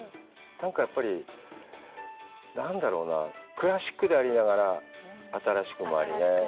何か、やっぱり、何だろうなぁ、クラシックでありながら新しくもありね。